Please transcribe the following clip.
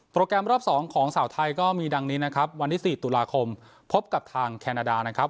แกรมรอบ๒ของสาวไทยก็มีดังนี้นะครับวันที่๔ตุลาคมพบกับทางแคนาดานะครับ